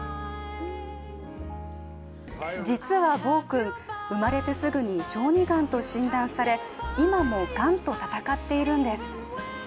実はボウ君、生まれてすぐに小児がんと診断され今も、がんと闘っているんです。